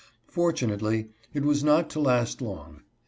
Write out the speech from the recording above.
Fortunately it was not to last long.